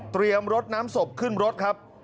เตรียมรถน้ำศพขึ้นรถครับ